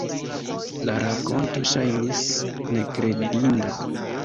La rakonto ŝajnis nekredinda.